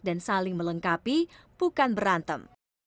dan saling melengkapi bukan berantem